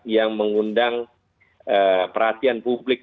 yang mengundang perhatian publik